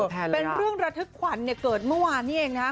เป็นเรื่องระทึกขวัญเนี่ยเกิดเมื่อวานนี้เองนะฮะ